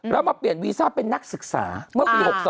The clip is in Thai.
แล้วมาเปลี่ยนวีซ่าเป็นนักศึกษาเมื่อปี๖๒